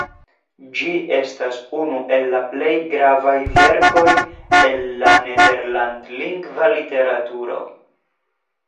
Ĝi estas unu el la plej gravaj verkoj el la nederlandlingva literaturo.